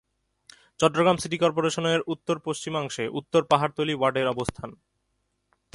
Chittagong city কর্পোরেশনের উত্তর-পশ্চিমাংশে উত্তর পাহাড়তলী ওয়ার্ডের অবস্থান।